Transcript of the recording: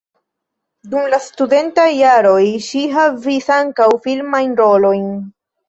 Dum la studentaj jaroj ŝi havis ankaŭ filmajn rolojn.